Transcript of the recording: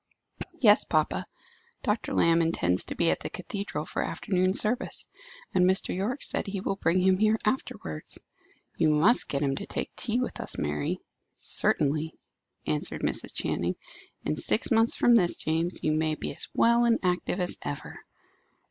"Yes, papa. Dr. Lamb intends to be at the cathedral for afternoon service, and Mr. Yorke said he would bring him here afterwards." "You must get him to take tea with us, Mary." "Certainly," answered Mrs. Channing. "In six months from this, James, you may be as well and active as ever."